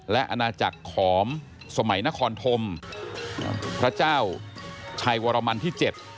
และอาณาจักรขอมสมัยนครธมพระเจ้าชัยวรมันที่๗